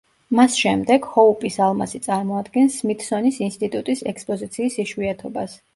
მას შემდეგ, ჰოუპის ალმასი წარმოადგენს სმითსონის ინსტიტუტის ექსპოზიციის იშვიათობას.